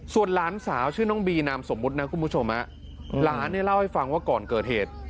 ส่วนหลานสาวชื่อน้องบีนามสมมุตินะคุณผู้ชมหลานเนี่ยเล่าให้ฟังว่าก่อนเกิดเหตุ